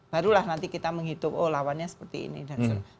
barulah nanti kita menghitung oh lawannya seperti ini dan sebagainya